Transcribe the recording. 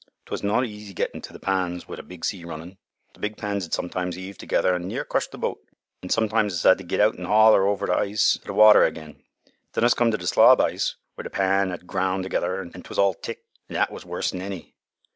'Twa' no' easy gettin' to th' pans wi' a big sea runnin'! Th' big pans 'ud sometimes heave together an' near crush th' boat, an' sometimes us 'ad t' git out an' haul her over th' ice t' th' water again. Then us come t' th' slob ice where th' pan 'ad ground together, an' 'twas all thick, an' that was worse'n any.